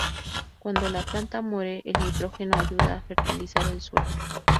Cuando la planta muere, el nitrógeno ayuda a fertilizar el suelo.